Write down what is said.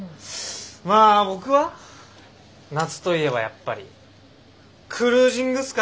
まあ僕は夏といえばやっぱりクルージングっすかね。